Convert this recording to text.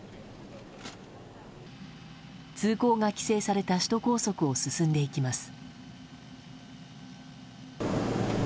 通行が規制された首都高速を進んでいきます。